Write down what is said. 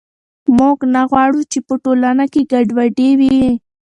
موږ نه غواړو چې په ټولنه کې ګډوډي وي.